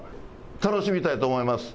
楽しみたいと思います。